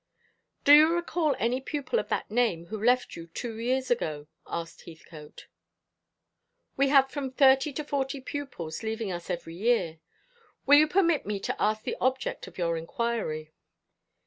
"Do you recall any pupil of that name who left you two years ago?" asked Heathcote. "We have from thirty to forty pupils leaving us every year. Will you permit me to ask the object of your inquiry?"